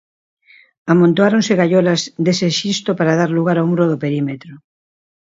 Amontoáronse gaiolas dese xisto para dar lugar ao muro do perímetro.